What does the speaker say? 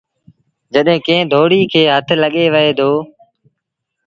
جڏهيݩ ڪݩهݩ دوڙيٚ کي هٿ لڳي وهي دو۔